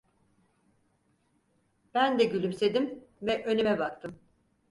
Ben de gülümsedim ve önüme baktım.